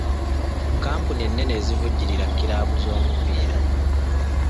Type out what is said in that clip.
Kampuni ennene zivujjirira kiraabu z'omupiira.